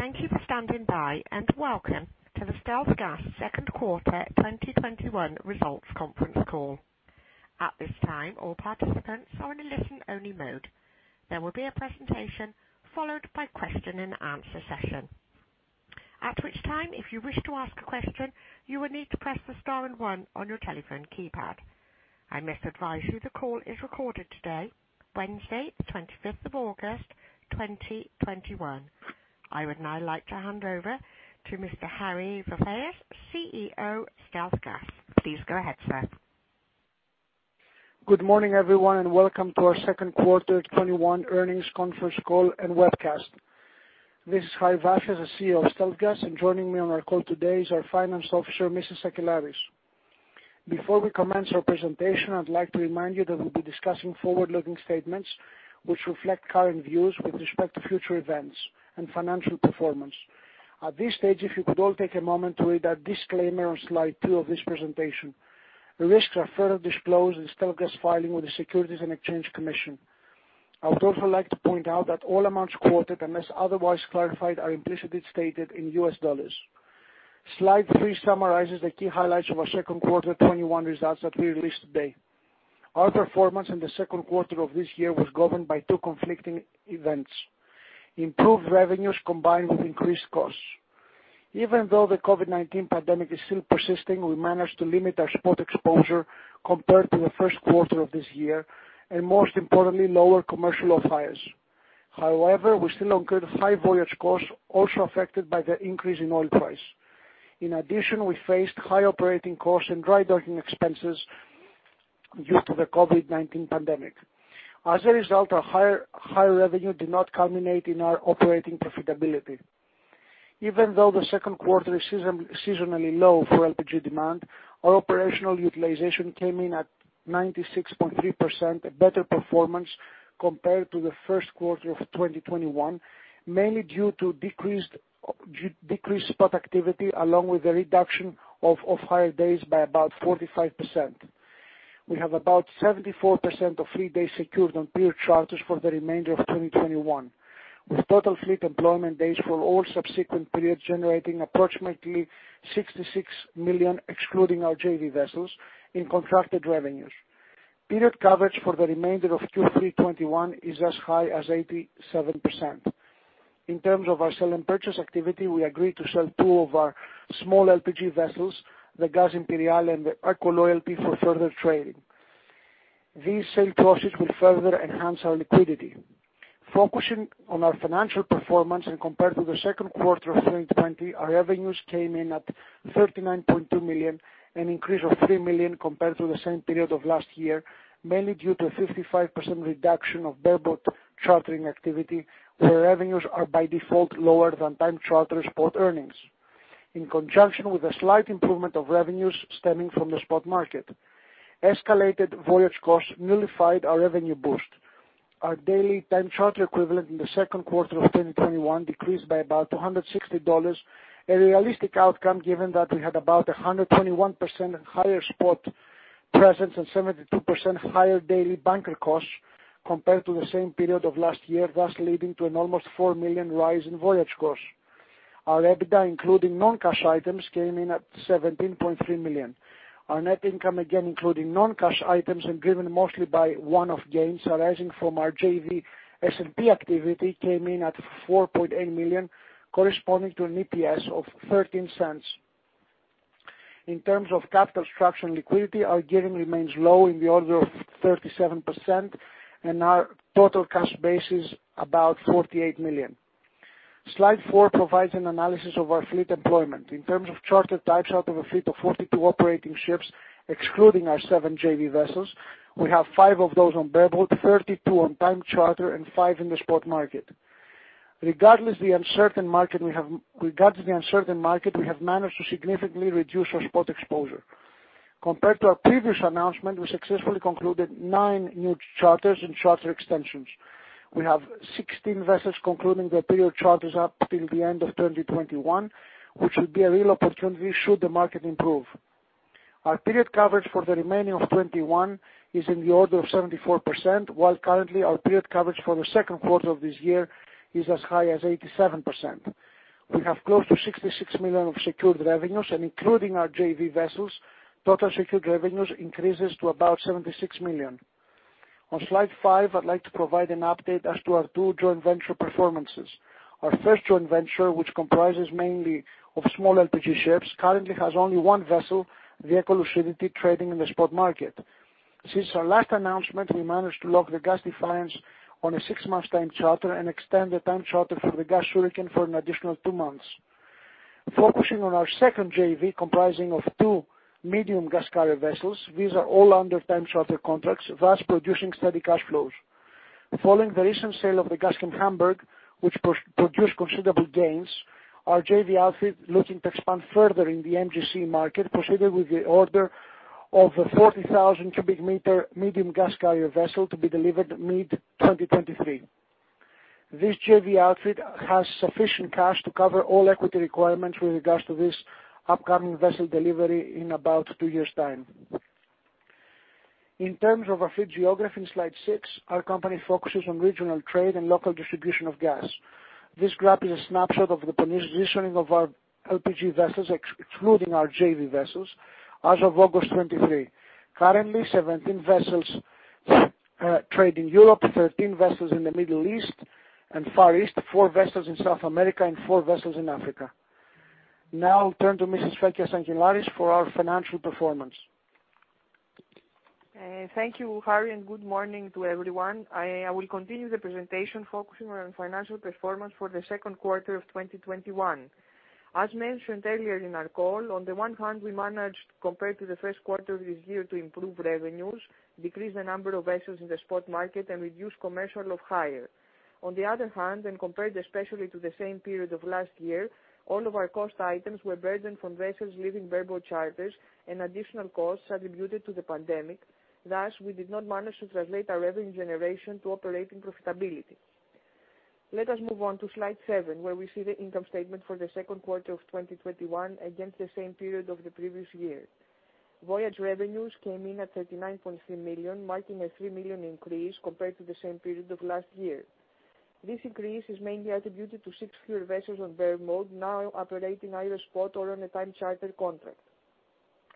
Thank you for standing by, and welcome to the StealthGas second quarter 2021 results conference call. At this time, all participants are in a listen-only mode. There will be a presentation followed by question and answer session. At which time, if you wish to ask a question, you will need to press the star and one on your telephone keypad. I must advise you the call is recorded today, Wednesday, the 25th of August 2021. I would now like to hand over to Mr. Harry Vafias, CEO, StealthGas. Please go ahead, sir. Good morning, everyone, and welcome to our second quarter 2021 earnings conference call and webcast. This is Harry Vafias, the CEO of StealthGas, and joining me on our call today is our finance officer, Mrs.Sakellaris. Before we commence our presentation, I'd like to remind you that we'll be discussing forward-looking statements which reflect current views with respect to future events and financial performance. At this stage, if you could all take a moment to read that disclaimer on slide two of this presentation. Risks are further disclosed in StealthGas filing with the Securities and Exchange Commission. I would also like to point out that all amounts quoted, unless otherwise clarified, are implicitly stated in US dollars. Slide three summarizes the key highlights of our second quarter 2021 results that we released today. Our performance in the second quarter of this year was governed by two conflicting events, improved revenues combined with increased costs. Even though the COVID-19 pandemic is still persisting, we managed to limit our spot exposure compared to the first quarter of this year, and most importantly, lower commercial off-hires. However, we still incurred high voyage costs, also affected by the increase in oil price. In addition, we faced high operating costs and dry docking expenses due to the COVID-19 pandemic. As a result, our high revenue did not culminate in our operating profitability. Even though the second quarter is seasonally low for LPG demand, our operational utilization came in at 96.3%, a better performance compared to the first quarter of 2021, mainly due to decreased spot activity along with the reduction of off-hire days by about 45%. We have about 74% of free days secured on period charters for the remainder of 2021, with total fleet employment days for all subsequent periods generating approximately $66 million, excluding our JV vessels, in contracted revenues. Period coverage for the remainder of Q3 2021 is as high as 87%. In terms of our sale and purchase activity, we agreed to sell two of our small LPG vessels, the Gas Imperiale and the Eco Loyalty, for further trading. These sale proceeds will further enhance our liquidity. Focusing on our financial performance and compared to the second quarter of 2020, our revenues came in at $39.2 million, an increase of $3 million compared to the same period of last year, mainly due to a 55% reduction of bareboat chartering activity, where revenues are by default lower than time charter spot earnings. In conjunction with a slight improvement of revenues stemming from the spot market, escalated voyage costs nullified our revenue boost. Our daily time charter equivalent in the second quarter of 2021 decreased by about $260, a realistic outcome given that we had about 121% higher spot presence and 72% higher daily bunker costs compared to the same period of last year, thus leading to an almost $4 million rise in voyage costs. Our EBITDA, including non-cash items, came in at $17.3 million. Our net income, again including non-cash items and driven mostly by one-off gains arising from our JV S&P activity, came in at $4.8 million, corresponding to an EPS of $0.13. In terms of capital structure and liquidity, our gearing remains low in the order of 37%, and our total cash base is about $48 million. Slide four provides an analysis of our fleet employment. In terms of charter types, out of a fleet of 42 operating ships, excluding our seven JV vessels, we have five of those on bareboat, 32 on time charter and five in the spot market. Regardless the uncertain market we have managed to significantly reduce our spot exposure. Compared to our previous announcement, we successfully concluded nine new charters and charter extensions. We have 16 vessels concluding their period charters up till the end of 2021, which will be a real opportunity should the market improve. Our period coverage for the remaining of 2021 is in the order of 74%, while currently our period coverage for the second quarter of this year is as high as 87%. We have close to $66 million of secured revenues, and including our JV vessels, total secured revenues increases to about $76 million. On slide five, I'd like to provide an update as to our two joint venture performances. Our first joint venture, which comprises mainly of small LPG ships, currently has only one vessel, the Eco Lucidity, trading in the spot market. Since our last announcement, we managed to lock the Gas Defiance on a six-month time charter and extend the time charter for the Gas Hurricane for an additional two months. Focusing on our second JV comprising of two medium gas carrier vessels, these are all under time charter contracts, thus producing steady cash flows. Following the recent sale of the GasChem Hamburg, which produced considerable gains, our JV outfit looking to expand further in the MGC market proceeded with the order of a 40,000 cubic meter medium gas carrier vessel to be delivered mid-2023. This JV outfit has sufficient cash to cover all equity requirements with regards to this upcoming vessel delivery in about two years' time. In terms of our fleet geography in slide six, our company focuses on regional trade and local distribution of gas. This graph is a snapshot of the positioning of our LPG vessels, excluding our JV vessels as of August 2023. Currently, 17 vessels trade in Europe, 13 vessels in the Middle East and Far East, four vessels in South America and four vessels in Africa. I'll turn to Fenia Sakellaris for our financial performance. Thank you, Harry, and good morning to everyone. I will continue the presentation focusing on financial performance for the second quarter of 2021. As mentioned earlier in our call, on the one hand, we managed, compared to the first quarter of this year, to improve revenues, decrease the number of vessels in the spot market and reduce commercial off-hire. On the other hand, when compared especially to the same period of last year, all of our cost items were burdened from vessels leaving bareboat charters and additional costs attributed to the pandemic. Thus, we did not manage to translate our revenue generation to operating profitability. Let us move on to slide seven, where we see the income statement for the second quarter of 2021 against the same period of the previous year. Voyage revenues came in at $39.3 million, marking a $3 million increase compared to the same period of last year. This increase is mainly attributed to six fewer vessels on bareboat now operating either spot or on a time charter contract.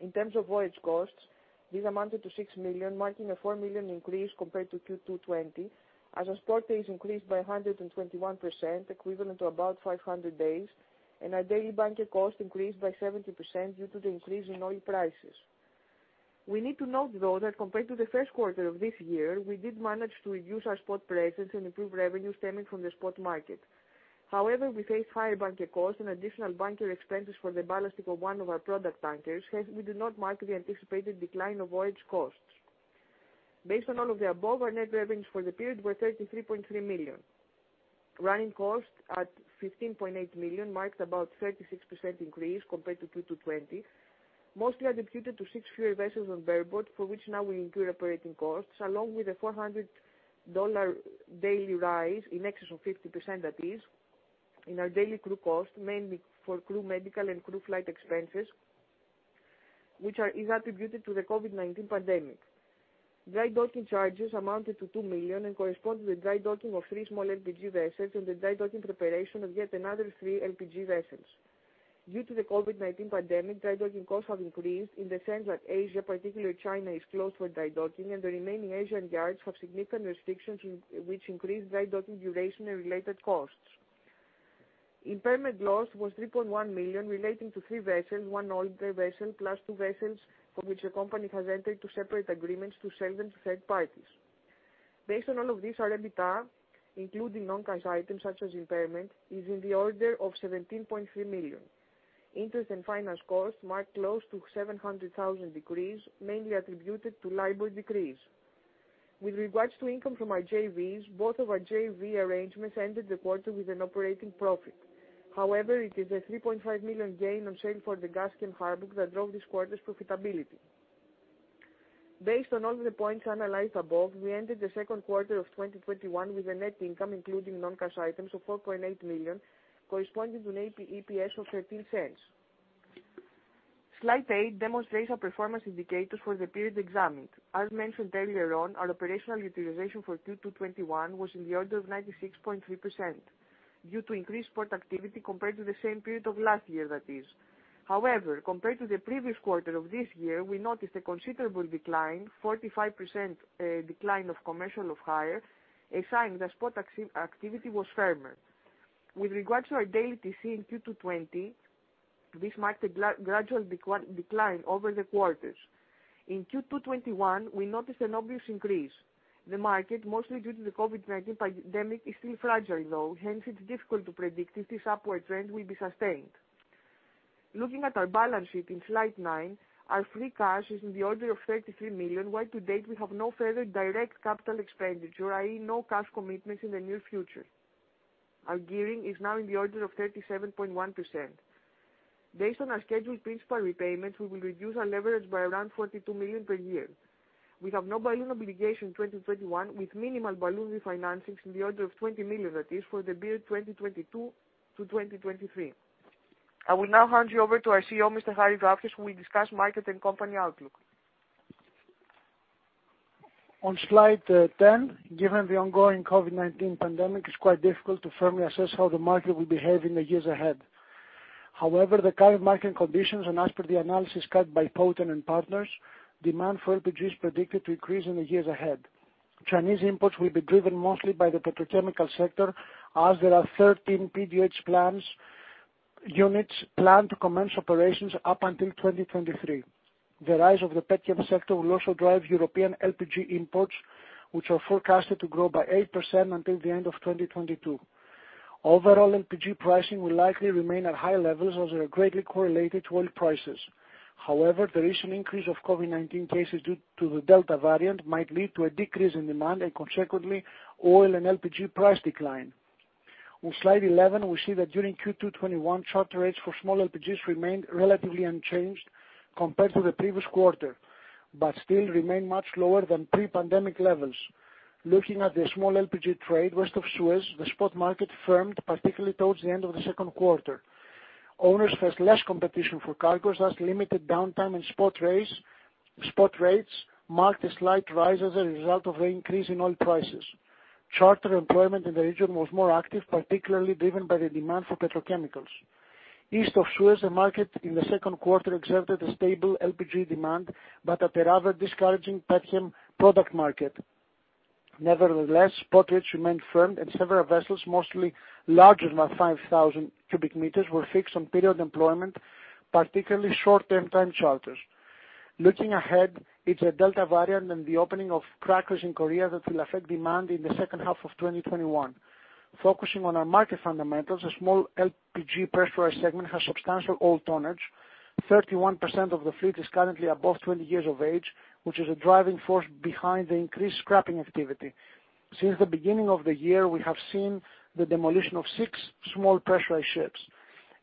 In terms of voyage costs, this amounted to $6 million, marking a $4 million increase compared to Q2 2020 as our spot days increased by 121%, equivalent to about 500 days, and our daily bunker cost increased by 70% due to the increase in oil prices. We need to note, though, that compared to the first quarter of this year, we did manage to reduce our spot presence and improve revenue stemming from the spot market. However, we faced higher bunker costs and additional bunker expenses for the ballasting of one of our product tankers, hence we did not mark the anticipated decline of voyage costs. Based on all of the above, our net revenues for the period were $33.3 million. Running costs at $15.8 million marked about 36% increase compared to Q2 2020, mostly attributed to six fewer vessels on bareboat, for which now we include operating costs along with a $400 daily rise, in excess of 50% that is, in our daily crew cost, mainly for crew medical and crew flight expenses, which is attributed to the COVID-19 pandemic. Dry docking charges amounted to $2 million and correspond to the dry docking of three small LPG vessels and the dry docking preparation of yet another three LPG vessels. Due to the COVID-19 pandemic, dry docking costs have increased in the sense that Asia, particularly China, is closed for dry docking and the remaining Asian yards have significant restrictions which increase dry docking duration and related costs. Impairment loss was $3.1 million relating to three vessels, one older vessel +2 vessels for which the company has entered two separate agreements to sell them to third parties. Based on all of this, our EBITDA, including non-cash items such as impairment, is in the order of $17.3 million. Interest and finance costs marked close to $700,000 decrease, mainly attributed to LIBOR decrease. With regards to income from our JVs, both of our JV arrangements ended the quarter with an operating profit. It is a $3.5 million gain on sale for the Gaschem Hamburg that drove this quarter's profitability. Based on all the points analyzed above, we ended the second quarter of 2021 with a net income including non-cash items of $4.8 million, corresponding to an EPS of $0.13. Slide eight demonstrates our performance indicators for the period examined. As mentioned earlier on, our operational utilization for Q2 2021 was in the order of 96.3% due to increased spot activity compared to the same period of last year, that is. However, compared to the previous quarter of this year, we noticed a considerable decline, 45% decline of commercial off-hire, a sign that spot activity was firmer. With regards to our daily TC in Q2 2020, this marked a gradual decline over the quarters. In Q2 2021, we noticed an obvious increase. The market, mostly due to the COVID-19 pandemic, is still fragile, though. Hence, it's difficult to predict if this upward trend will be sustained. Looking at our balance sheet in slide nine, our free cash is in the order of $33 million, while to date we have no further direct capital expenditure, i.e., no cash commitments in the near future. Our gearing is now in the order of 37.1%. Based on our scheduled principal repayments, we will reduce our leverage by around $42 million per year. We have no balloon obligation in 2021 with minimal balloon refinancings in the order of $20 million that is for the period 2022-2023. I will now hand you over to our CEO, Mr. Harry Vafias, who will discuss market and company outlook. On slide 10, given the ongoing COVID-19 pandemic, it's quite difficult to firmly assess how the market will behave in the years ahead. The current market conditions, and as per the analysis carried by Poten & Partners, demand for LPG is predicted to increase in the years ahead. Chinese imports will be driven mostly by the petrochemical sector as there are 13 PDH units planned to commence operations up until 2023. The rise of the petchem sector will also drive European LPG imports, which are forecasted to grow by 8% until the end of 2022. LPG pricing will likely remain at high levels as they are greatly correlated to oil prices. The recent increase of COVID-19 cases due to the Delta variant might lead to a decrease in demand and consequently oil and LPG price decline. On slide 11, we see that during Q2 2021, charter rates for small LPGs remained relatively unchanged compared to the previous quarter, but still remain much lower than pre-pandemic levels. Looking at the small LPG trade west of Suez, the spot market firmed, particularly towards the end of the second quarter. Owners faced less competition for cargoes, thus limited downtime and spot rates marked a slight rise as a result of the increase in oil prices. Charter employment in the region was more active, particularly driven by the demand for petrochemicals. East of Suez, the market in the second quarter exerted a stable LPG demand, but at a rather discouraging petchem product market. Nevertheless, spot rates remained firm and several vessels, mostly larger than 5,000 cubic meters, were fixed on period employment, particularly short-term time charters. Looking ahead, it's the Delta variant and the opening of crackers in Korea that will affect demand in the second half of 2021. Focusing on our market fundamentals, a small LPG pressurized segment has substantial old tonnage, 31% of the fleet is currently above 20 years of age, which is a driving force behind the increased scrapping activity. Since the beginning of the year, we have seen the demolition of six small pressurized ships.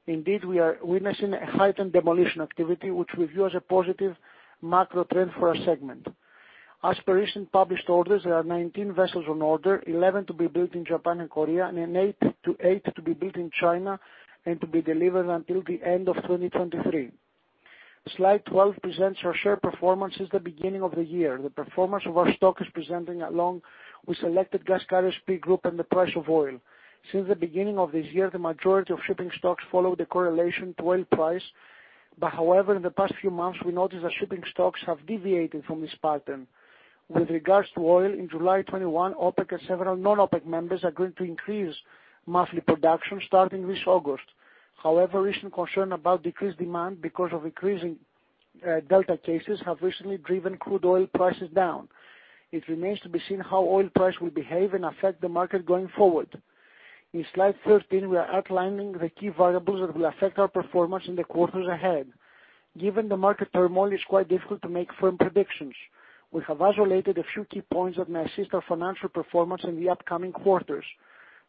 Indeed, we are witnessing a heightened demolition activity, which we view as a positive macro trend for our segment. As per recent published orders, there are 19 vessels on order, 11 to be built in Japan and Korea, and eight to be built in China and to be delivered until the end of 2023. Slide 12 presents our share performance since the beginning of the year. The performance of our stock is presenting along with selected gas carrier speed group and the price of oil. Since the beginning of this year, the majority of shipping stocks followed the correlation to oil price. However, in the past few months, we noticed that shipping stocks have deviated from this pattern. With regards to oil, in July 2021, OPEC and several non-OPEC members agreed to increase monthly production starting this August. However, recent concern about decreased demand because of increasing Delta cases have recently driven crude oil prices down. It remains to be seen how oil price will behave and affect the market going forward. In slide 13, we are outlining the key variables that will affect our performance in the quarters ahead. Given the market turmoil, it is quite difficult to make firm predictions. We have isolated a few key points that may assist our financial performance in the upcoming quarters.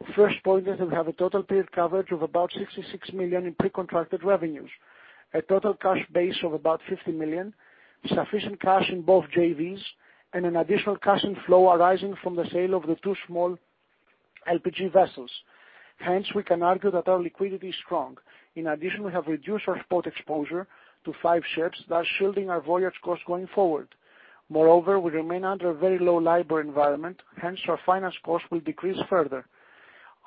The first point is that we have a total period coverage of about $66 million in pre-contracted revenues, a total cash base of about $50 million, sufficient cash in both JVs, and an additional cash flow arising from the sale of the two small LPG vessels. Hence, we can argue that our liquidity is strong. In addition, we have reduced our spot exposure to five ships, thus shielding our voyage costs going forward. Moreover, we remain under a very low LIBOR environment, hence our finance costs will decrease further.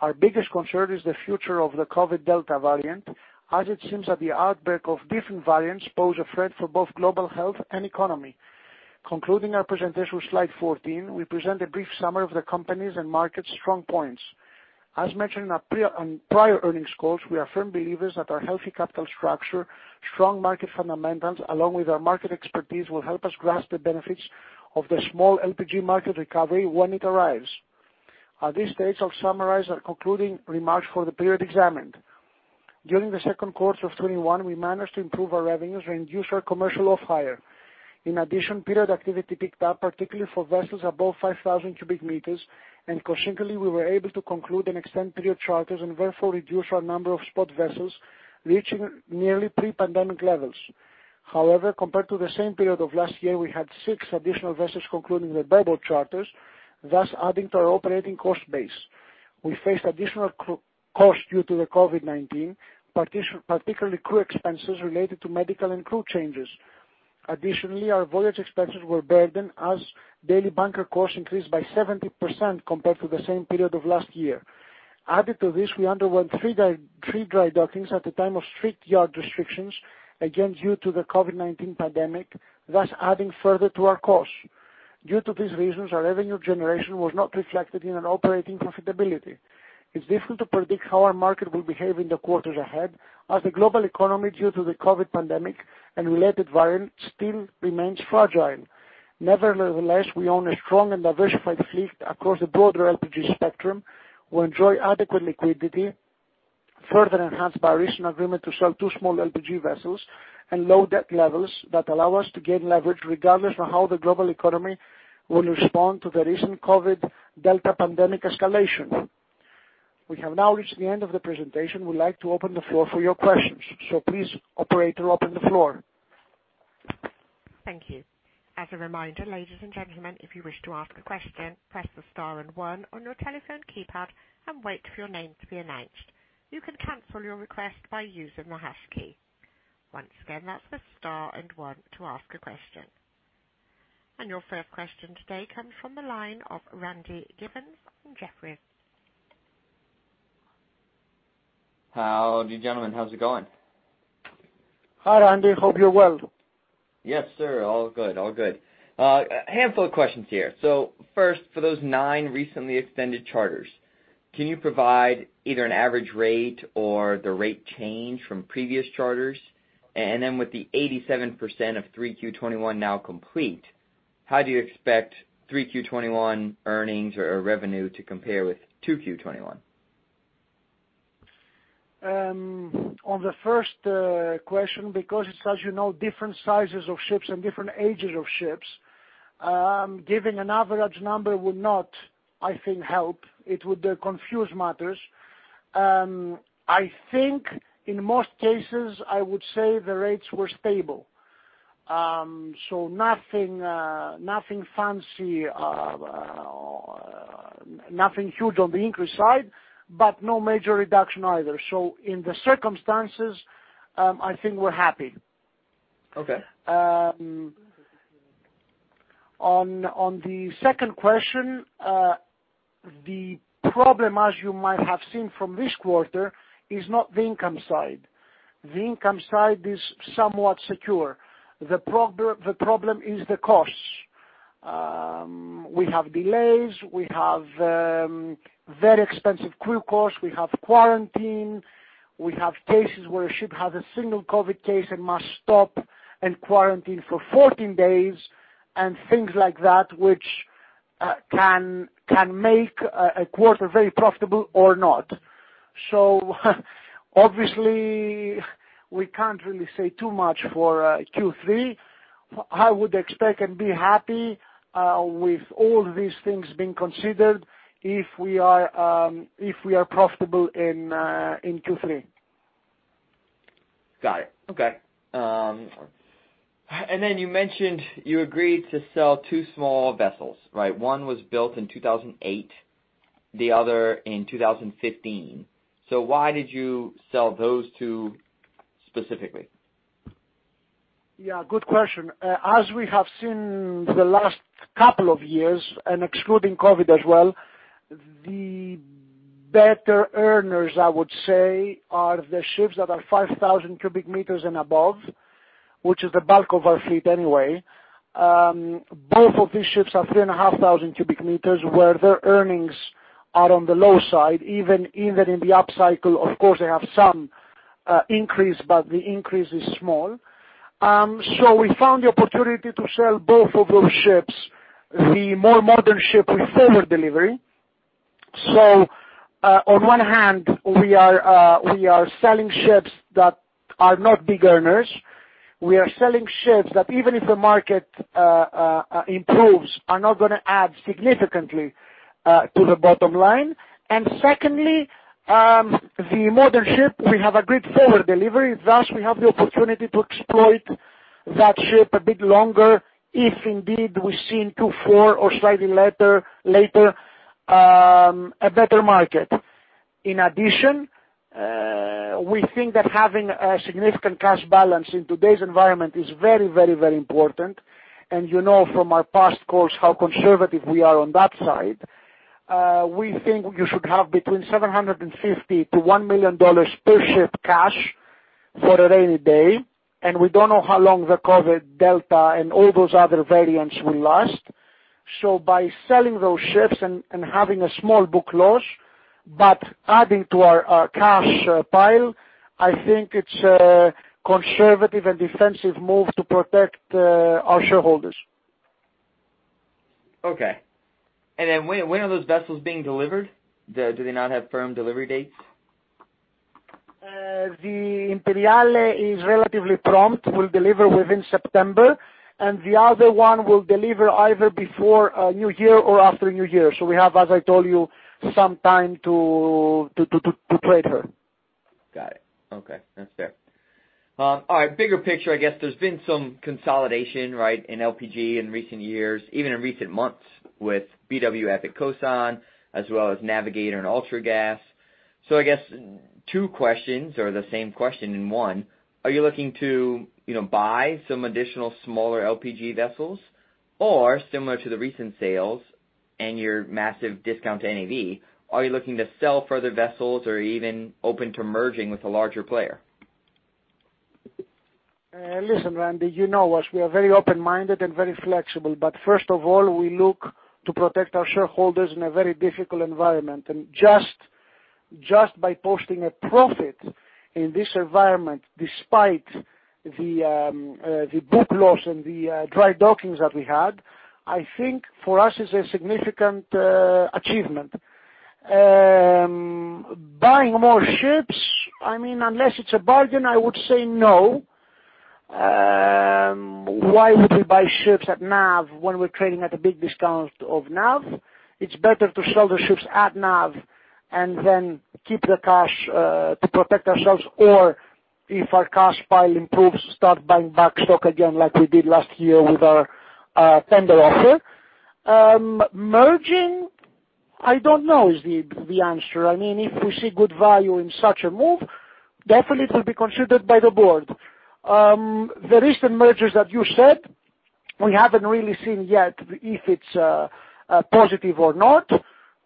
Our biggest concern is the future of the COVID Delta variant, as it seems that the outbreak of different variants pose a threat for both global health and economy. Concluding our presentation with Slide 14, we present a brief summary of the company's and market's strong points. As mentioned on prior earnings calls, we are firm believers that our healthy capital structure, strong market fundamentals, along with our market expertise, will help us grasp the benefits of the small LPG market recovery when it arrives. At this stage, I'll summarize our concluding remarks for the period examined. During the second quarter of 2021, we managed to improve our revenues and reduce our commercial off-hire. In addition, period activity picked up, particularly for vessels above 5,000 cubic meters. Consequently, we were able to conclude and extend period charters and therefore reduce our number of spot vessels, reaching nearly pre-pandemic levels. Compared to the same period of last year, we had six additional vessels concluding their double charters, thus adding to our operating cost base. We faced additional costs due to the COVID-19, particularly crew expenses related to medical and crew changes. Additionally, our voyage expenses were burdened as daily bunker costs increased by 70% compared to the same period of last year. Added to this, we underwent three dry dockings at the time of strict yard restrictions, again, due to the COVID-19 pandemic, thus adding further to our costs. Due to these reasons, our revenue generation was not reflected in our operating profitability. It's difficult to predict how our market will behave in the quarters ahead as the global economy due to the COVID pandemic and related variants still remains fragile. Nevertheless, we own a strong and diversified fleet across the broader LPG spectrum. We enjoy adequate liquidity, further enhanced by a recent agreement to sell two small LPG vessels and low debt levels that allow us to gain leverage regardless of how the global economy will respond to the recent COVID Delta pandemic escalation. We have now reached the end of the presentation. We'd like to open the floor for your questions. Please, operator, open the floor. Thank you. As a reminder, ladies and gentlemen, if you wish to ask a question, press the star one on your telephone keypad and wait for your name to be announced. You can cancel your request by using the hash key. Once again, that's the star one to ask a question. Your first question today comes from the line of Randy Giveans from Jefferies. How are you, gentlemen? How's it going? Hi, Randy, hope you're well. Yes, sir. All good. A handful of questions here. First, for those nine recently extended charters, can you provide either an average rate or the rate change from previous charters? With the 87% of 3Q 2021 now complete, how do you expect 3Q 2021 earnings or revenue to compare with 2Q 2021? On the first question, because it's as you know different sizes of ships and different ages of ships, giving an average number would not, I think help, it would confuse matters. I think in most cases, I would say the rates were stable. Nothing fancy, nothing huge on the increase side, but no major reduction either. In the circumstances, I think we're happy. Okay. On the second question, the problem as you might have seen from this quarter is not the income side. The income side is somewhat secure. The problem is the costs. We have delays, we have very expensive crew costs, we have quarantine, we have cases where a ship has a single COVID case and must stop and quarantine for 14 days, and things like that which can make a quarter very profitable or not. Obviously, we can't really say too much for Q3. I would expect and be happy with all these things being considered if we are profitable in Q3. Got it. Okay. You mentioned you agreed to sell two small vessels, right? One was built in 2008, the other in 2015. Why did you sell those two specifically? Yeah, good question. As we have seen the last couple of years, and excluding COVID as well, the better earners, I would say, are the ships that are 5,000 cubic meters and above, which is the bulk of our fleet anyway. Both of these ships are 3,500 cubic meters, where their earnings are on the low side, even in the up cycle. Of course, they have some increase, but the increase is small. We found the opportunity to sell both of those ships. The more modern ship we forward delivery. On one hand, we are selling ships that are not big earners. We are selling ships that, even if the market improves, are not going to add significantly to the bottom line. Secondly, the modern ship, we have agreed forward delivery. We have the opportunity to exploit that ship a bit longer if indeed we see in Q4 or slightly later, a better market. We think that having a significant cash balance in today's environment is very, very, very important. You know from our past calls how conservative we are on that side. We think you should have between $750,000-$1 million per ship cash for a rainy day, and we don't know how long the COVID Delta and all those other variants will last. By selling those ships and having a small book loss, but adding to our cash pile, I think it's a conservative and defensive move to protect our shareholders. Okay. Then when are those vessels being delivered? Do they not have firm delivery dates? The Imperiale is relatively prompt, will deliver within September, and the other one will deliver either before New Year or after New Year. We have, as I told you, some time to trade her. Got it. Okay. That's fair. All right, bigger picture, I guess there's been some consolidation, right, in LPG in recent years, even in recent months, with BW Epic Kosan as well as Navigator and Ultragas. I guess two questions or the same question in one, are you looking to buy some additional smaller LPG vessels? Or similar to the recent sales and your massive discount to NAV, are you looking to sell further vessels or even open to merging with a larger player? Listen, Randy, you know us. We are very open-minded and very flexible. First of all, we look to protect our shareholders in a very difficult environment. Just by posting a profit in this environment despite the book loss and the dry dockings that we had, I think for us it's a significant achievement. Buying more ships, I mean, unless it's a bargain, I would say no. Why would we buy ships at NAV when we're trading at a big discount of NAV? It's better to sell the ships at NAV and then keep the cash to protect ourselves or if our cash pile improves, start buying back stock again like we did last year with our tender offer. Merging, I don't know is the answer. If we see good value in such a move, definitely it will be considered by the board. The recent mergers that you said, we haven't really seen yet if it's positive or not.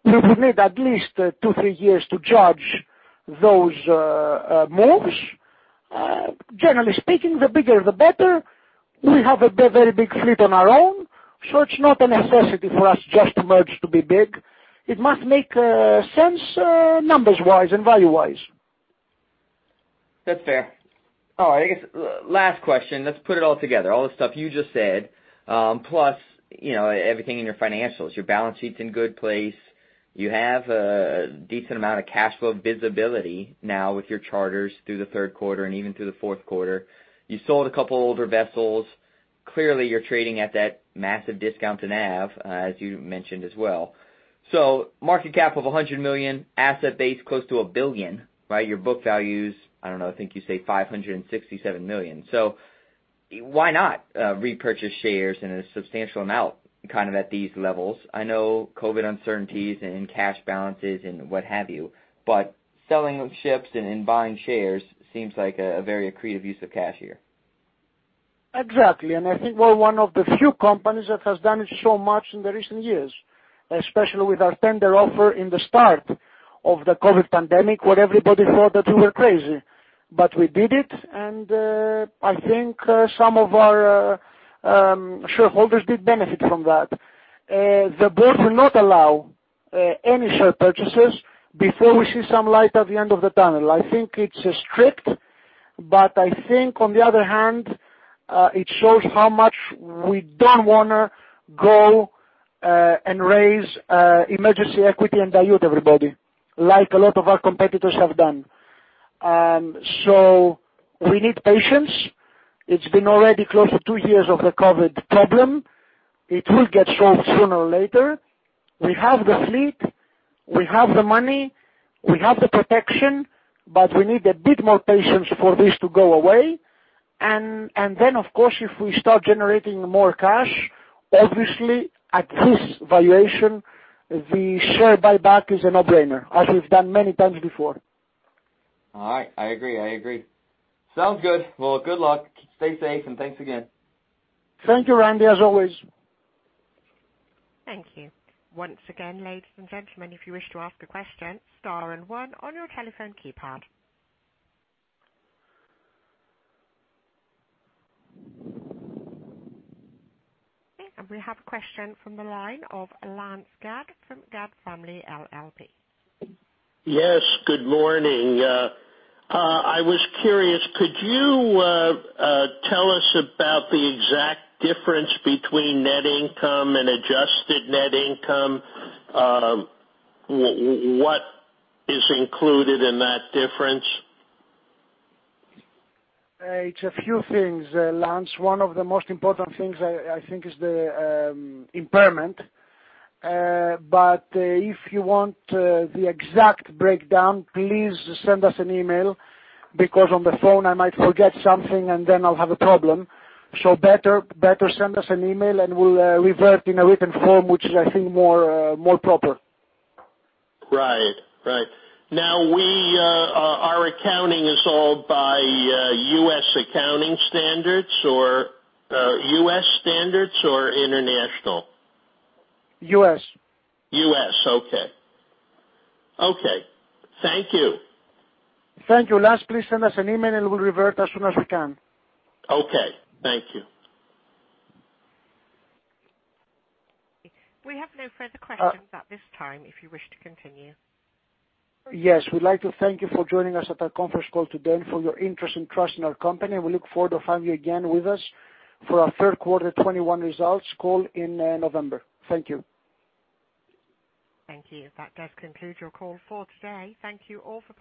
We would need at least two, three years to judge those moves. Generally speaking, the bigger the better. We have a very big fleet on our own, it's not a necessity for us just to merge to be big. It must make sense numbers-wise and value-wise. That's fair. All right, I guess last question. Let's put it all together, all the stuff you just said, plus everything in your financials. Your balance sheet's in good place. You have a decent amount of cash flow visibility now with your charters through the third quarter and even through the fourth quarter. You sold a couple older vessels. Clearly, you're trading at that massive discount to NAV as you mentioned as well. Market cap of $100 million, asset base close to $1 billion. Your book values, I don't know, I think you say $567 million. Why not repurchase shares in a substantial amount at these levels? I know COVID uncertainties and cash balances and what have you, selling ships and buying shares seems like a very accretive use of cash here. Exactly. I think we're one of the few companies that has done so much in the recent years, especially with our tender offer in the start of the COVID pandemic, where everybody thought that we were crazy. We did it, and I think some of our shareholders did benefit from that. The board will not allow any share purchases before we see some light at the end of the tunnel. I think it's strict, but I think on the other hand, it shows how much we don't want to go and raise emergency equity and dilute everybody, like a lot of our competitors have done. We need patience. It's been already close to two years of the COVID problem. It will get solved sooner or later. We have the fleet, we have the money, we have the protection, but we need a bit more patience for this to go away. Of course, if we start generating more cash, obviously at this valuation, the share buyback is a no-brainer, as we've done many times before. All right. I agree. Sounds good. Well, good luck. Stay safe, and thanks again. Thank you, Randy, as always. Thank you. Once again, ladies and gentlemen, if you wish to ask a question, star and one on your telephone keypad. We have a question from the line of Lance Gadd from Gadd Family LLP. Yes. Good morning. I was curious, could you tell us about the exact difference between net income and adjusted net income? What is included in that difference? It's a few things, Lance. One of the most important things I think is the impairment. If you want the exact breakdown, please send us an email, because on the phone I might forget something and then I'll have a problem. Better send us an email and we'll revert in a written form, which is I think more proper. Right. Now our accounting is all by US accounting standards or US standards or international? US. US, okay. Thank you. Thank you. Lance, please send us an email and we'll revert as soon as we can. Okay. Thank you. We have no further questions at this time if you wish to continue. Yes. We'd like to thank you for joining us at our conference call today and for your interest and trust in our company. We look forward to having you again with us for our third quarter 2021 results call in November. Thank you. Thank you. That does conclude your call for today. Thank you all for participating.